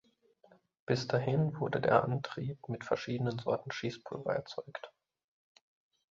Bis dahin wurde der Antrieb mit verschiedenen Sorten Schießpulver erzeugt.